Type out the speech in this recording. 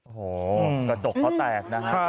โหกระดกเขาแตกนะครับ